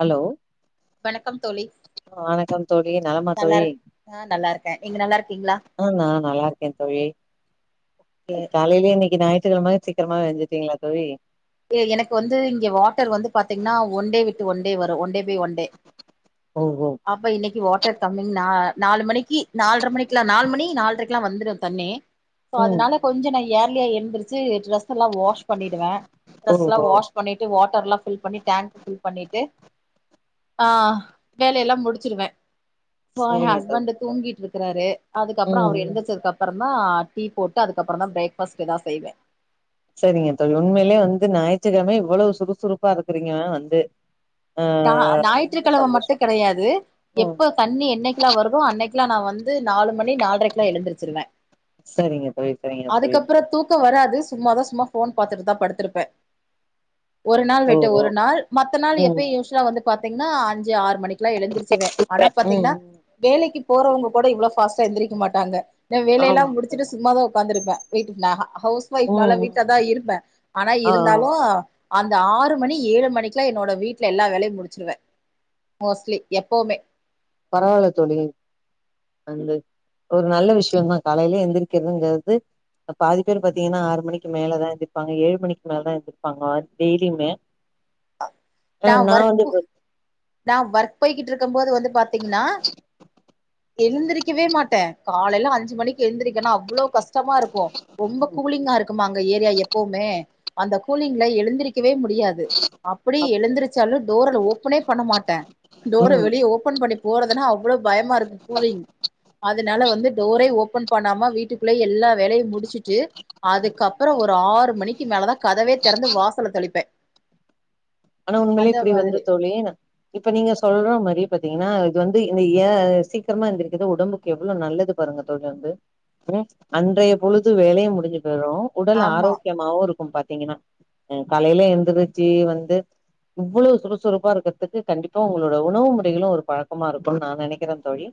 Hello வணக்கம் தோழி வணக்கம் தோழி நலமா நல்லா தோழி இருக் ஆ நல்லா இருக்கேன் நீங்க நல்லா இருக்கீங்களா ஆ நா நல்லா இருக்கே தோழி காலையிலயே இன்னைக்கு ஞாயித்துக்கழம சீக்கிரமா எழுந்துட்டீங்களா தோழி எனக்கு வந்து இங்க வாட்டர் வந்து பாத்தீங்கன்னா ஒன்டே விட்டு ஒன்டே வரு ஒன்டே போய் ஒன்டே ஓ ஓ அப்ப இன்னைக்கு வாட்டர் கம்மிங் நா நாலு மணிக்கு நால்ர மணிக்குல்லா நாலு மணி நாலரைக்கெல்லா வந்துடு தண்ணி சோ ம் அதுனால கொஞ்சொ நா யேர்லியா எந்துருச்சு டிரஸ் எல்லா வாஷ் பண்ணிடுவே டிரஸ்ல்லா ஓஹோ வாஷ் பண்ணிட்டு வாட்டர் எல்லா ஃபில் பண்ணிட்டு டேங்க் ஃபில் பண்ணிட்டு ஆ வேயெல்லா முடிச்சிருவே சோ எ சரிங்க தோழி ஹஸ்பண்ட்டு சரிங்க. தூங்கிட்டு இருக்குறாரு அதுக்கப்புறோ ம் அவர் ம் எந்துருச்சதுக் அப் புற தா டீ போட்டு அதுக்கப்புற தா பிரேக் ஃபாஸ் எதா செய்வே செரிங்க தோழி உண்மையிலயே வந்து ஞாயித்துக்கெழம இவ்வளவு சுறுசுறுப்பா இருக்குறீங்க வந்து ஆ தா ரொம்ப ஞாயிற்றுக்கெழம மட்டு சந்தோஷோ கெடையாது ம் எப்ப தண்ணி என்னைக்கெல்லா வரு மோ அன்னைக்கெல்லா நா வந்து நாலு மணி நால்ரைக்கெல்லா எழுந்துச்சுடுவே சரிங்க தோழி சரிங்க நன் கோ வராது சும்மாதா சும்மா ஃபோன் பாத்துட்டுதா படுத்துருப்பே ஒரு நாள் விட்டு ஓஹோ ஒரு நாள் மத்த நாள் ம் எப்பயு யூஷுலா வந்து பாத்தீங்கன்னா அஞ்சு ஆறு மணி குலா எழுந்துருச்சுருவே ஆனா ம் ம் பாத்தீங்கன்னா வேலைக்கு போறவங்க கூட இவ்ளோ ஃபாஸ்டா எந்திரிக்க மாட்டாங்க எ வேலையெல்லா ஆமா தோழி. முடிச்சிட்டு சும்மாதா உக்காந்திருப்பே வீட்டுக்குள்ள ஹ ஹவுஸ் ஒயிஃப்னால ம் ம் வீட்லதா இருப்பே ஆனா ஆ இருந்தாலு அந்த ஆறு மணி ஏழு மணிக்குலா என்னோட வீ ட்ல எல்லா வேலையு முடிச்சிருவே மோஸ்ட்லி எப்பவுமே பரவால்ல தோழி நல்ல ஒரு நல்ல விஷயோதா காலையில எந்திரிக்கிறதுங்குறது இப்ப பாதி பேர் பாத்தீங்கன்னா ஆறு மணிக்கு மேலதா எந்திருப்பாங்க ஏழு மணிக்கு மேலதா எந்திருப்பாங்க டெய்லியுமே ஆ நா வந்து போ நா ஒர்க் போய்கிட்டு இருக்கும் போது வந்து பாத்தீங்ன்னா எழுந்திருக்கவே மாட்டே காலையில அஞ்சு மணி எந்திரி க்கென்னா அவ்ளோ கஷ்டமா இருக்கு ரொம்ப ம் கூலிங்கா இருக்குமா அங்க ஏரியா எப்பவுமே அந்த கூலிங்குல எழுந்திரக்கவே முடியாது அப்டி அப் எழுந்திரச்சாலு டோரல் ஓப்பனே பண்ண மாட்டே டோர ம் வெளியே ஓபன் பண்ணி போறதுனா அவ் ளோ பயமா இருக்கு கூலிங் அதுனால வந்து டோரே ஓபன் பண்ணாம வீட்டுக்குள்ளயே எல்லா வேலையு முடிச்சுட்டு அதுக்கப்புறோ ஒரு ஆறு மணிக்கு மேலதா கதவே தெறந்து வாசல தெளிப்பே ஆனா உண்மைலேயே அந்த இப்டி வந்து மாதிரி தோழி இப்ப நீங்க சொல்ற மாரி பாத்தீங்கன்னா இது வந்து இந்த ஏ சீக்கிரமா எந்திக்குறது உடம்புக் கு எவ்ளோ நல்லது பாருங்க தோழி வந்து அப்றோ அன்றைய பொழுது வேலையொ முடுஞ்சு போய்டு உடல் ஆமா ஆரோக்கியமாவு இருக்கு பாத்தீங்கன்னா எ காலையில எந்திரிச்சு வந்து இவ்வளோ சுறுசுறுப்பா இருக்குறதுக்கு கண்டிப்பா உங்களோட உணவு முறைகளு ஒரு பழக்கமா இருக்குன்னு நா நெனைக்கிறே தோழி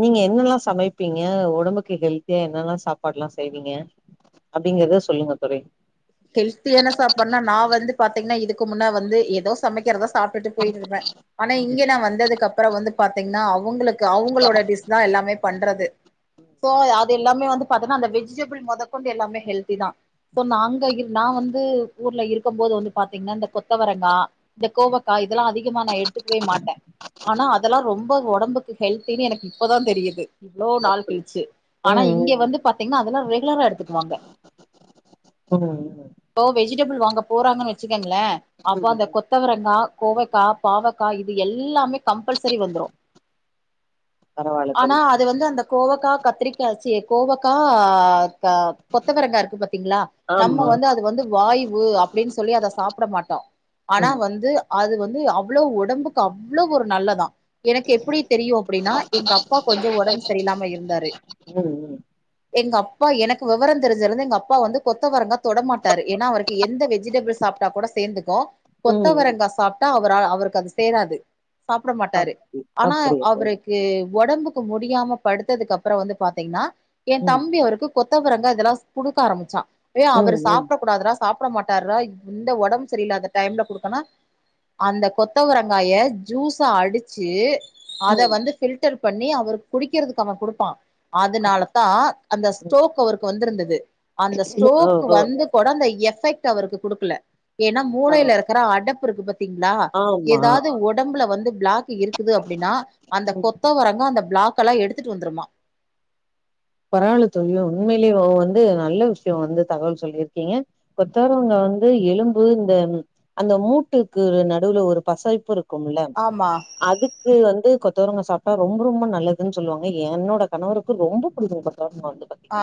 நீங்க என்னெல்லா சமைப்பீங்க உடம்புக்கு ஹெல்த்தியா என்னெல்லா சாப்பாடுலா செய்வீங்க அப்டிங்கறத சொல்லுங்க தோழி ஹெல்த்தியான சாப்பாடுனா நா வந்து பாத்தீங்கன்னா இதுக்கு முன்னா வந்து ஏதோ சமைக்கிறதா சாப்ட்டுட்டு போயிட்டு இருப்பே ஆனா ம், இங்க நா வந்ததுக்கு அப்புறோ வந்து பாத்தீங்கன்னா அவங்களுக்கு அவங்களோட டிஷ் தா எல்லாமே பண்றது சோ அது எல்லாமே வந்து பாத்தன்னா அந்த வெஜிடபிள் மொத கொண்டு எல்லாமே ஹெல்தி தா சோ நாங் க இர் நா வந்து ஊர்ல இருக்கம் போது வந்து பாத்தீங்கன்னா இந்த கொத்தவரங்கா இந்த ம், கோவக்கா இதெல்லா அதிகமா நா எடுத்துக்கவே மாட்டே ம், ஆனா அதெல்லா ம். ரொம்ப ஒடம்புக் க்கு ஹெல்தின்னு எனக்கு இப்பதா தெரியுது இவ்ளோ நாள் அப்படி கழிச்சு ம் ஆனா இங்க ம் வந்து பாத்தீங்கன்னா அதெல்லா ரெகுலரா எடுத்துக்குவாங்க ம் இப்போ வெஜிடபிள் வாங்க போறாங்கன்னு வச்சுக்கோங்களே ம், அப்போ அந்த ம். கொத்தவரங்கா கோவேக்கா பாவக்கா இது எல்லாமே கம்பல்சரி வந்துரு பரவால்ல தோழி ஆனார் து வந்து அந்த கோவக்கா கத்திரிக்கா ச்சி கோவக்கார்கா கொத்தவரங்கா இருக்கு பாத்தீங்களா நம்ம ஆமா வந்து அது வந்து வாய்வு அப்டின் சொல்லி அத சாப்ட மாட்டோ ஆனா ம் வந்துஅ அது வந்து அவ்ளோ ஒடம்புக்கு அவ்ளோ ஒரு நல்லதா எனக்கு எப்புடி தெரியு அப்டின்னா எங்க அப்பா கொஞ்சோ ஒடம் சரியில்லாம இருந்தாரு ம் ம் எங்க அப்பா எனக்கு விவரம் தெரிஞ்சலிருந்து எங்க அப்பா வந்து கொத் த்தவரங்கா தொட மாட்டாரு ஏன்னா அவருக்கு எந்த வெஜிடபிள் சாப்ட்டா கூட சேந்துக்கு ம் கொத்தவரங்கா சாப் ட்டா அவரா அவருக்கு அது சேராது சாப்ட மாட்டாரு அப்டி ஆனாவ் அப்படியா தோழி அவ்ருக் ஏ ஒடம்புக்கு முடியாம படுத்ததுக்கு அப்றோ வந்து பாத்தீங்னா என் ம் தம்பி அவருக்கு கொத்தவரங்க அதெல்லாஸ் குடுக்க ஆரம்பிச்சா ஏ அவரு ம் ம் சாப்டக் கூடாதுடாஸ் சாப்ட மாட்டார்றா இந்த ஒடம் சரியில்லாத டைம்ல குடுக்கனா அந்த கொத்தவரங்காய ஜூஸா அடிச்சு அத ம் வந்து ஃபில்டர் பண்ணி அவருக் குடிக்கிறதுக்கு அவன் குடுப்பா அப்- அதனாலதா அந்த ம். ஸ்டோக் அவர்க் வந்துருந்தது ஸ்டோக் ஓஹோ வந்து கூட அந்த எஃபெக்ட் அவருக்கு குடுக்கல ஏன்னா ஆ மூலையில இருக்குற அடப்புருக்கு பத் த்தீங்ளா ஆமா ஏதாது ஒடம்ல வந்து ப்ளாக் இருக்குது அப்டின்னா அந்த ம் கொத் த்துவரங்கா அந்த ப்ளக்கல்லா எடுத்துட்டு வந்துருமா பரவால தோழி உண்மைலேயே இவ வந்து நல்ல விஷய வந்து தகவல் சொல்லிருக்கீங்க கொத்தாரவங்க வந்து எலும்பு இந்தம் அந்த மூட்டுக்கு நடுவுல ஒரு பசைப்புரு கும்முள ஆமா அதுக்கு வந்து கொத்தவரங்கா சாப்ட்டா ரொம்ப ரொம்ப நல்லதுன் சொல்லுவாங்க என்னோட கணவருக்கு ரொம்பப் [unintelligible] மறந்துப்ப ஆ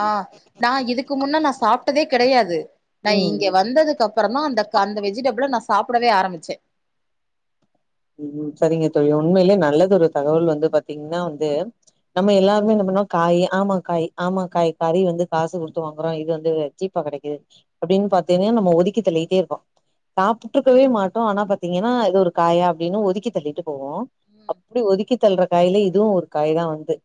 நா இதுக்கு முன்ன நா சாப்ட்டதே கெடையாது நா ம் இங்க வந்ததுக்கப்றதா அந்தக் ஆந் வெஜிடபிளை நா சாப்புடவே ஆரம்பிச்சே ம் சரிங்க தோழி உண்மையிலே நல்லது ஒரு தகவல் வந்து பாத்தீங்னா வந்து நம்ம எல்லாருமே என்ன பண்ணோ காயே ஆமா காய் ஆமா காய் கறி வந்து காசு கொடுத்து வாங்குறோ இது வந்து ஜிப் ப்பா கிடைக்கு அப்டின் பாத்தீன்னே நம்ம ஒதுக்கி தல்லிட்டே இருக்கோ சாப்ட்டுட்ருக்கவே மாட்டோ ஆனா பாத்தீங்கன்னா இது ஒரு காயாப் டீன்னு ஒதுக்கி தள்ளிட்டு போவோ ம் அப்டி ஒதுக்கி தல்ற காய்லே இதுவு ஒரு காய் தா வந்து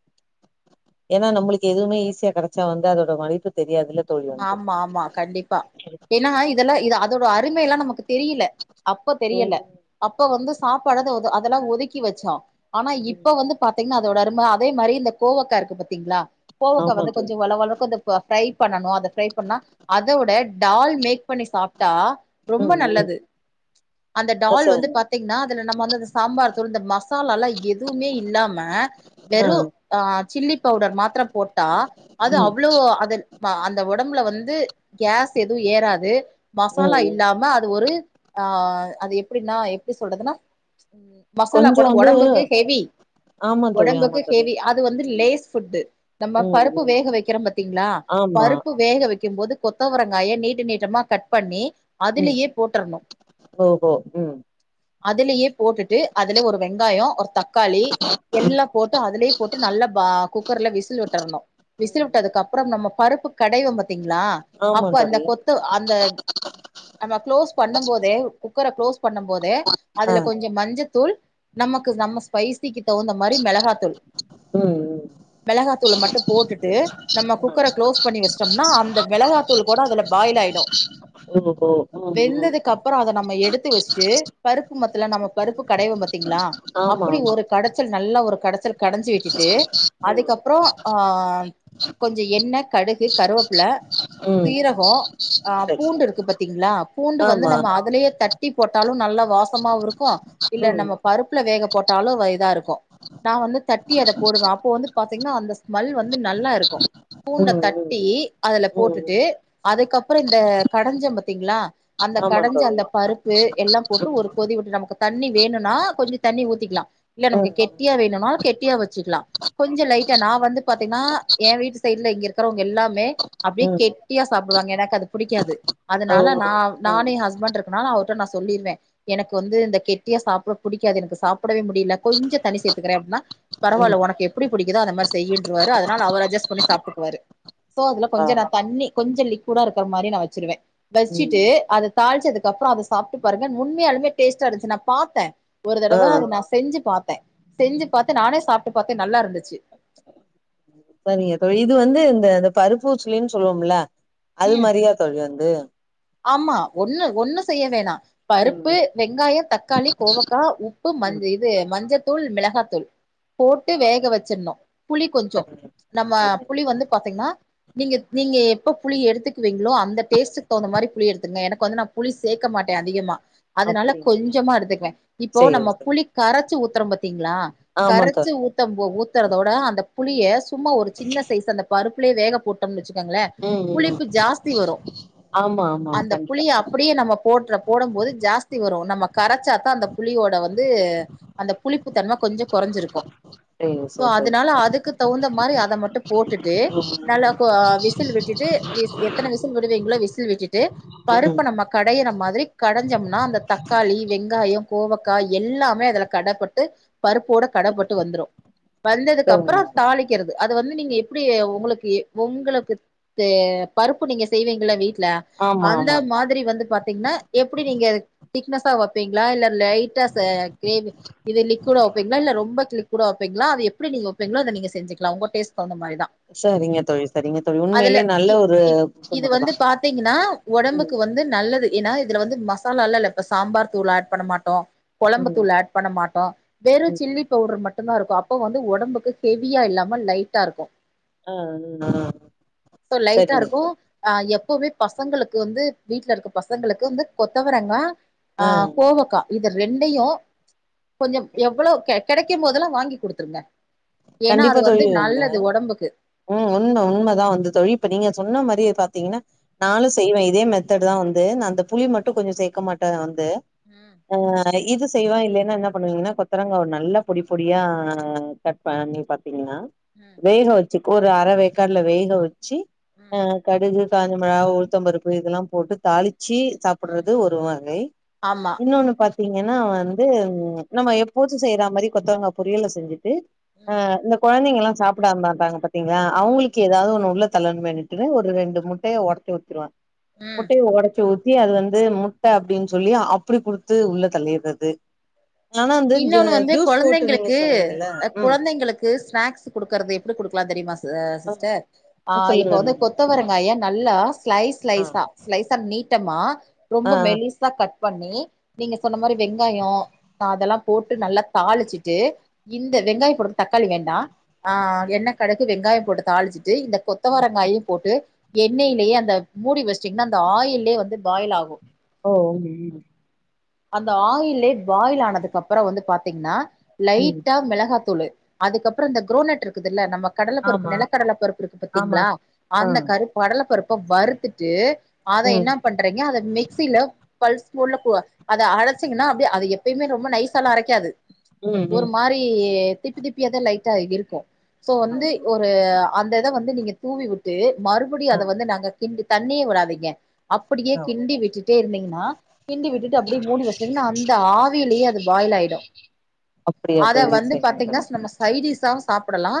ஏன்னா நம்ளுக்கு எதுமே ஈஸியா கெடச்சா வந்து அதோட மலிப்பு தெரியாதுல தோழியு ஆமா ஆமா கண்டிப்பா ஏன்னா இதெல்லா இது அதோட அருமைல்லாம நமக்கு தெரியில அப்போ தெரியல ம் அப்ப வந்து சாப்பாட தோதோ அதெல்லா ஒதுக்கி வச்சா ஆனா இப்ப ம் வந்து பாத்தீங்னா அதோட அரும அதே மாரி இந்த கோவக்கா இருக்கு பாத்தீங்ளா கோவக்கா ஆமா வந்து தோழி கொஞ்சு வள வளக்கோ அந்தப்பு ஃப்ரை பண்ணணு அது ஃப்ரை பண்ணா அதோட டால் மேக் பண்ணி சாப்ட்டா ரொம்ப ம் ம் நல்லது அந்த டால் வந்து அசாங் பாத்தீஙன்னா அதுல நம்ம வந்துதுஸ் சாம்பார் தூளு இந்த மசாலால்லா எதுமே இல்லாம ஆ வெறு ஆ சில்லி பவுடர் மாத்ரம் போட்டா அது ம் அவ்ளோ அதுன் வா அந்த ஒடம்புல வந்து கேஸ் எதுவு ஏறாது மசாலா ம் ம் இல்லாம அது ஒரு ஆ அது எப்டின்னா எப்டி சொல்றதுன்னா உ மசாலா கொஞ்சோ கூட வந்து ஒடம்புக்கு ஹெவி ஆமா தோழி ஆமா ஒடம்புக்கு தோழி ஹெவி அது வந்து ம் லேஸ் ஃபுட்டு நம்ம பருப்பு வேக வைக்கிறோம் பாத்தீங்ளா ஆம் பருப்பு வேக வைக்கும் போது கொத்தவரங்காய நீட்டு நீட்டமா கட் பண்ணி ம் அதுலியே போட்ரணு ஓஹோ ம் அதுலயே போட்டுட்டு அதுல ஒரு வெங்காயோ ஒரு தக்காளி ம் எல்லா போட்டு அதுலே போட்டு நல்லா பா குக்கர்ல விசில் விட்டுர்ணு விசிறி ம் வுட்டதுக்கப்றம் நம்ம பருப்பு கடைவம் பாத்தீங்களா ஆமா அப்போ அந்த தோழி கொத்து அந்த நம்ம க்ளோஸ் பண்ணும் போதே குக்கர குளோஸ் பண்ணும் போதே ஆ அதுல கொஞ்சோ மஞ்சத்தூள் நமக்கு நம்ம ஸ்பைசிக்கு தகுந்த மாரி மிளகாத்தூள் ம் ம் மிளகாத்தூள மட்டு போட்டுட்டு நம்ம ஆ குக்கர க்ளோஸ் வஷ்ட்டம்னா அந்த மிளகாத்தூள் கூட அதுல பாயில் ஆயிடு ஓஹோ ம் ம் வெந்ததுக் கப்பறோ அத நம்ம எடுத்து வச்சுட்டு பருப்பு மத்துல நம்ம பருப்பு கடைவோ பாத்தீங்ளா ஆமா ஆமா அப்டி ஒரு தோழி. கடச்சல் நல்லா ஒரு கடச்சல் கடஞ்சி விட்டுட்டு ம் அதுக்கப்பறோ ஆ கொஞ்சோ எண்ணெ கடுகு கருவேப்பில ம் சீரகோ ஆ சரி பூண்டு இருக்கு பாத்தீங்ளா பூண்டு வந்து ஆமா நம்ம அதுலயே தட் டி போட்டாலு நல்ல வாசமாவு இருக்கு இல்ல ம் நம்ம பருப்புல வேக போட்டாலு இதா இருக்கு நா வந்து தட்டி அத போடுவே அப்போ வந்து பாத்தீங்கன்னா அந்த ஸ்மெல் வந்து நல்லா இருக்கு பூண்ட ம் தட் ம் டி அதுல ம் போட்டுட்டு அதுக்கப்பறோ இந்த கடஞ்சோ பாத்தீங்களா அந்த ஆமா கடஞ்ச தோழி அந்த பருப்பு எல்லா போட்டு ம் ஒரு கொதி விட்டு நமக்கு தண்ணி வேணுன்னா கொஞ்சோ தண்ணி ஊத்திக்லா இல்ல நமக்கு ம் கெட்டியா வேணுன்னா கெட்டியா வச்சுக்கலா கொஞ்சோ லைட்டா நா வந்து பாத்தீங்கன்னா ஏ வீட்டு சைடு்ல இங்க இருக்கிறவங்க எல்லாமே அப்டியே ம் கெட்டியா சாப்டுவாங்க எனக்கு அது பிடிக்காது அதனால நா ஓஹோ ம் நானு ஏ ஹஸ்பண்ட் இருக்கனால அவர்ட்ட நா சொல்லிருவே எனக்கு வந்து இந்த கெட்டியா சாப்ட பிடிக்காது எனக்கு சாப் டவே முடியல கொஞ்சோ தண்ணி சேத்துக்கிறே அப்டின்னா ம் பரவால்ல உனக்கு எப்டி பிடிக்குதோ அந்த மாரி செய்யின்றுவாரு அதனால அவர் அட்ஜஸ்ட் பண்ணி சாப்ட்டுக்குவாரு சோ அதுல ஆ கொஞ்சோ நா தண்ணி கொஞ்சோ லிக்குடா இருக்குற மாரி நா வச்சிருவே ம் வச்சிட்டு அத தாளிச்சதுக்குக்கப்பறோ அத சாப்ட்டு பாருங்க உண்மையாலுமே டேஸ்ட்டா இருந்துச்சி நா பாத்தே ஒரு தடவ ஆ அது நா செஞ்சி பாத்தே செஞ்சி பாத்து நானே சாப்ட்டு பாத்தே நல்லா இருந்துச்சி சரிங்க தோழி இது வந்து இந்த அந்த பருப்பூச்சுழின்னு சொல்லுவோம்ல அது ம் மாரியா தோழி வந்து ஆமா ஒண்ணு ஒண்ணு செய்ய வேணா பருப்பு ம் வெங்காயோ தக்காளி கோவக்கா உப் பு மஞ்ச ம் இது மஞ்சத்தூள் மிளகாத்தூள் போட்டு வேக வச்சிடணு புளி கொஞ்சோ சரிங்க நம்ம சரிங்க புளி வந்து பாத்தீங்கன்னா நீங்க நீங்க எப்பப் புளி எடுத்துக்குவீங்களோ அந்த டேஸ்டுக்கு தகுந்த மாரி புளி எடுத்துகோங்க எனக்கு வந்து நா புளி சேக்க மாட்டே அதிகமா அதனால அப்டிங்களா கொஞ்சமா எடுத்துக்குவே இப்போ சேரி நம்ம சேரி புளி கரச்சி ஊத்துறோ பாத்தீங்ளா ஆமா கரச்சி தோழி ஊத்தம் போ ஊத்துறதோட அந்த புளிய சும்மா ஒரு சின்ன சைஸ் அந்த பருப் புலயே வேக போட்டோம்ன்னு வச்சுக்கோங்களே ம் ம் புளிப்பு ஜாஸ்தி வரு ஆமா ஆமா அந்த கண்டிப்பா புளிய அப் டியே நம்ம போடுற போடம் போது ஜாஸ்தி வரு நம்ம கரச்சாத்தா அந்த புளியோட வந்து அந்த புளிப்புத்தன்ம கொஞ்சோ கொறஞ்சிருக்கு சேரி சோ சேரி தோழி அதனால அதுக்கு தகுந்த மாரி அத மட்டு போட்டுட்டு நல்லா ம் கொ விசில் விட்டுட்டு எத்தன விசில் விடுவீங்களோ விசில் விட்டுட்டு ம் ம். பருப்ப நம் ம கடையிற மாதிரி கடைஞ்சம்னா அந்த தக்காளி வெங்காயோ கோவக்கா எல்லாமே அதுல கடப்பட்டு பருப்போட கடப்பட்டு வந்துரு வந்ததுக்கு அப்பறோ சரிங்க. தாளிக்கிறது அது வந்து நீங்க எப்டி உங்களுக்கு எ உங்களுக்கு தெ பருப்பு நீங்க செய்வீங்கள வீட்ல ஆமா அந்த ஆமா மாதிரி வந்து பாத்தீங்கன்னா எப்டி நீங்க அத திக்னஸா வப் பீங்களா இல்ல லைட்டா ச கிரேவி இது லிக்வீடா வப்பீங்களா இல்ல ரொம்ப கிளிக் கூட வப்பீங்களா அத எப்டி நீங்க வப்பீங்களோ அத நீங்க செஞ்சிக்கலா உங்க டேஸ்ட்க்கு தகுந்த மாரிதா சரிங்க தோழி சரிங்க தோழி அதுல உண்மையிலயே நல்ல இ ஒரு இப் இது புத்தமுட்டு தா வந்து பாத்தீங்கன்னா ம் ஒடம்புக்கு வந் து நல்லது ஏன்னா இதுல வந்து மசாலால்லா இல்ல இப்ப சாம்பார் தூள் ஆட் பண்ண மாட்டோ ம் கொழம்புத்தூள் ஆட் பண்ண மாட்டோ வெறு ம் சில்லி பவுடர் மட்டுந்தா இருக்கு அப்போ வந்து உடம்புக்கு ஹெவியா இல்லாம லைட்டா இருக்கு ஆ ஆ சோ லைட்டா சரிங்க இருக்கு தோழி ஆ எப்பவுமே பசங்களுக்கு வந்து வீட்ல இருக்க பசங்களுக்கு வந்து கொத்தவரங்கா ஆ கோவக்கா இத ரெண்டையு கொஞ்சம் எவ்வளவு கெ கெடைக்கும் போதெலா வாங்கி குடுத்துருங்க ஏனா அது கண்டிப்பா வந்து தோழி அந்த நல்லது ஒடம்புக்கு ம் உண்ம உண்மதா வந்து தோழி இப்ப நீங்க சொன்ன மாரி பாத்தீங்கினா ம் நாலுச் செய்வே இதே மெத்தேடுதா வந்து நா அந்த புளி மட்டு கொஞ்ச சேக்க மாட்டே வந்து ம் ஆ இது செய்வே இல்லேனா என்ன பண்ணுவீங்னா கொத்தரங்கா ஒன் நல்லா பொடிப் பொடியா கட் பண்ணி பாத்தீங்கினா ம் வேக வச்சுக் ஒரு அர வேக்காட்ல வேக வச்சி அ ம் கடுகு காஞ்ச மிளா உளுத்தம்பருப்பு இதலாம் போட்டுத் தாலிச்சி சாப் ம் பிட்றது ஒரு வகை ஆமா இன்னோனு பாத் திங்கனா வந்து ம் நம்ம எப்போச்சு செய்றா மாரி கொத்தரங்கா பொறியல செஞ்சிட்டு ஆ ம் இந்த கொழந்தைங்கில்லா சாப்டா மாட்டாங்க பாத்தீங்களா ம் அவுங்குளுக்கு எதாவது ஒன்னு உள்ள தள்ளனுமேனுட் டுனு ஒரு ரெண்டு முட்டைய ஒடச்சி ஊத்துறுவே ம் முட்டைய ஒடச்சி ஊத் த்தி அது வந்து முட்ட அப்டின் சொல்லி அப்பிடி குடுத்து உள்ள தள்ளிர்றது ஆனா வந்து ஜ இன்னொன்னு வந்து ஜூஸ் போட்டு நீங்க கொழந்தைங்களுக்கு சொன்னீங்கில்ல அ குழந்தைங்களுக்கு ஸ்நாக்ஸ் குடுக்கறது எப்டி குடுக்லாந் தெரியும ச சிஸ்டர் ஆ இப்ப வந்து கொத்தவரங்காய நல்லா ஸ்லைஷ் ஆ ஸ்லைஷா ஸ்லைஸா நீட்டமா ரொம்ப ஆ மெலிச் சா கட் பண்ணி நீங்க சொன்ன மாரி வெங்காயோ ச அதெலாம் போட்டு நல்லா தாளிச்சிட்டு இந்த வெங்காய போடும் தக்காளி வேண்டா ஆ எண்ணெ கடுகு வெங்காயம் போட்டு தாளிச்சிட்டு இந்த கொத்தவரங்காயும் போட்டு எண்ணெய்லேயே அந்த மூடி வச்சுட்டீங்னா அந்த ஆயில்லியே வந்து பாயிலாகு ஓ ம் ம் அந்த ஆயில்லே பாயில் ஆனதுக்கப்புற வந்து பாத்தீங்னா ம் ம் லைட்டா மிளகாத்தூளு அதுக்கப்புற இந்த குரோனட்ருக்குதுல்ல நம்மக் கடல பருப்பு ஆமா நெலக்கடலை பருப்பு இருக்கு ஆமா பாத்தீங்ளா ஆ அந்த கரு கடலப்பருப்ப வறுத்துட்டு அத ம் என்னாப் பண்றீங்க அத மிக்சில பல்ஸ் மோட்ல போ அத அலச்சிங்னா அப்டியே அத எப்பியுமே ரொம்ப நைஸ் சாலாம் அரைக்காது ம் ஒரு ம் மாரி திப்பி திப்பியாதா லைட்டா இருக்கு சோ ஆ வந்து ஒரு அந்த இத வந்து நீங்க தூவி விட்டு மறுபடியு ஆ அத வந்து நாங்க கிண்டு தண்ணியே விடாதிங்க அப்படியே ஆ ஓ கிண்டி விட்டுட்டே இருந்தீங்னா கிண்டி விட்டுட்டு அப்டியே மூடி வச்டிங்னா அந்த ஆவிலியே அது பாயில் ஆயிடு அப்டியா அத தோழி வந்து சரிங்க தோழி பாத்தீங்னாச் நம்மச் சைடிஷாவு சாப்பிடலா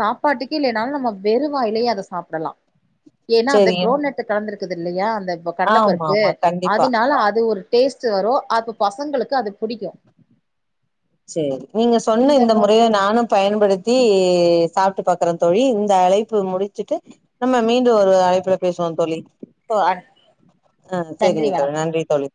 சாப்பாட்டுக்கே இல்லைனாலு நம்ம வெறு வாயிலியே அத சாப்டலா ஏனா அந்த சரி குரோனெட்ட கலந்திருக்குதில்லையா அந்த இப்ப ஆமா கடலப்பருப்பு ஆமா கண்டிப்பா அதனால அது ஒரு டேஸ்ட்டு வரு அப்போ பசங்களுக்கு அது புடிக்கு சேரி நீங்க சொன்ன இந்த முறைய நானும் பயன்படுத்தி சாப்ட்டு பாக்கறந் தோழி இந்த அழைப்பு முடிச்சிட்டு நம்ம மீண்டு ஒரு அழைப்புல பேசுவோந் தோழி மருத்துவ அ நன்றி சேரிங்க வணக்கம் தோழி நன்றித் தோழி